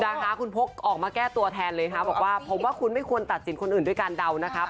นะคะคุณพกออกมาแก้ตัวแทนเลยค่ะบอกว่าผมว่าคุณไม่ควรตัดสินคนอื่นด้วยการเดานะครับ